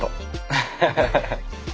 アハハハハッ！